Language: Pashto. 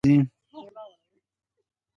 د سیندونو اوبه د کانالونو له لارې راځي.